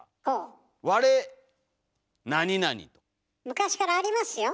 昔からありますよ。